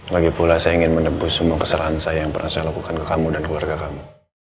lagi pula saya ingin menembus semua kesalahan saya yang pernah saya lakukan ke kamu dan keluarga kamu